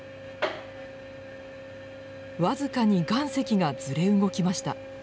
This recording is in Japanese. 僅かに岩石がずれ動きました。